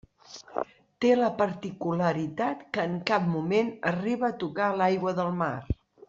Té la particularitat què en cap moment arriba a tocar l'aigua del mar.